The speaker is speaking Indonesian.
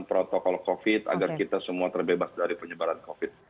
protokol covid agar kita semua terbebas dari penyebaran covid